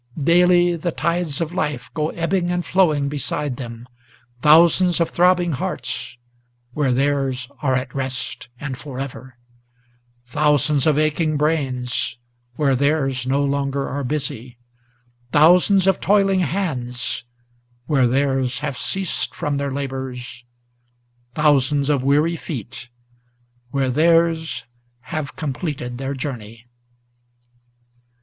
Daily the tides of life go ebbing and flowing beside them, Thousands of throbbing hearts, where theirs are at rest and forever, Thousands of aching brains, where theirs no longer are busy, Thousands of toiling hands, where theirs have ceased from their labors, Thousands of weary feet, where theirs have completed their journey!